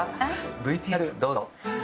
ＶＴＲどうぞ。